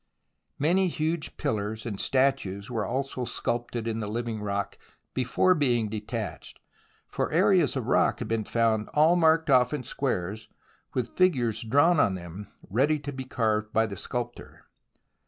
Many huge pillars and statues were also sculptured in the living rock before being detached, for areas of rock have been found all marked off in squares with figures drawn on them ready to be carved by the sculptor.